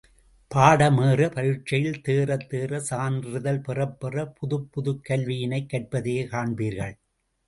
பாடம் ஏற, பரீட்சையில் தேறத் தேற, சான்றிதழ் பெறப் பெற புதுப் புதுக் கல்வியினைக் கற்பதையே காண்பீர்கள்.